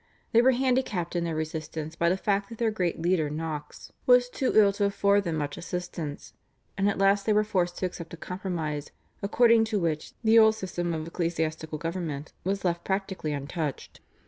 They were handicapped in their resistance by the fact that their great leader Knox was too ill to afford them much assistance, and at last they were forced to accept a compromise according to which the old system of ecclesiastical government was left practically untouched.